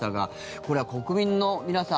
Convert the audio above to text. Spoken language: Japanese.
これは国民の皆さん